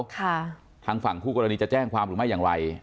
ทางฝั่งคู่กรณีจะแจ้งความหรือไม่อย่างไร